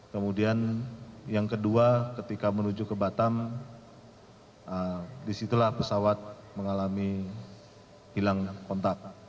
kemudian yang kedua ketika menuju ke batam disitulah pesawat mengalami hilang kontak